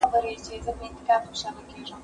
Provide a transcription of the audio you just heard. هغه څوک چي کالي مينځي منظم وي،